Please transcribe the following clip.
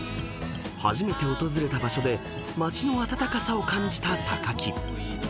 ［初めて訪れた場所で街の温かさを感じた木］